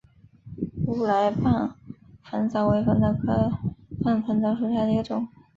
乌来棒粉虱为粉虱科棒粉虱属下的一个种。